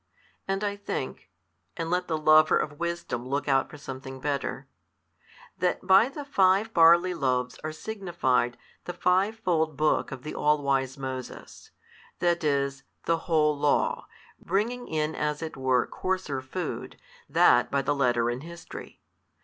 And I think (and let the lover of wisdom look out for something better) that by the five barley loaves are signified the five fold book of the all wise Moses, that is, the whole Law, bringing in as it were coarser food, that by the letter and history.